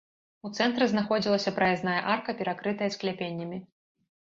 У цэнтры знаходзілася праязная арка, перакрытая скляпеннямі.